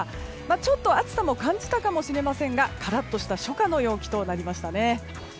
ちょっと暑さも感じたかもしれませんがカラッとした初夏の陽気となりましたね。